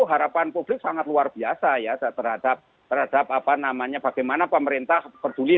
harapan publik sangat luar biasa ya terhadap apa namanya bagaimana pemerintah peduli